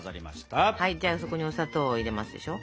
はいじゃあそこにお砂糖を入れますでしょ。